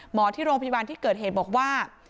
ที่โรงพยาบาลที่เกิดเหตุบอกว่า